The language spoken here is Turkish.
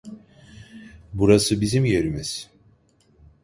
Burası bizim yerimiz.